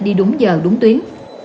đi đúng giờ đúng tuyến